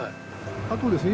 あとですね